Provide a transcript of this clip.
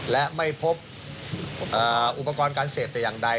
และไม่พบอุปกรณ์การเสพแต่อย่างใด